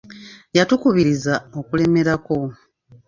Yatukubiriza okulemerako.